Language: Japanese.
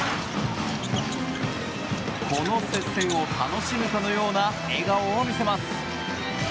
この接戦を楽しむかのような笑顔を見せます。